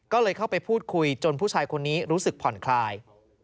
ก็เลยเข้าไปพูดคุยจนผู้ชายคนนี้รู้สึกผ่อนคลาย